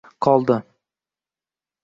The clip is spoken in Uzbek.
Qoldi